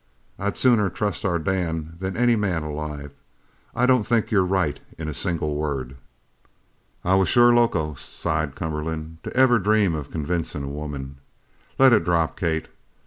"I'd sooner trust our Dan than any man alive. I don't think you're right in a single word!" "I was sure loco," sighed Cumberland, "to ever dream of convincin' a woman. Let it drop, Kate.